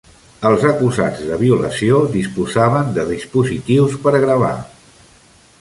Els acusats de violació disposaven de dispositius per gravar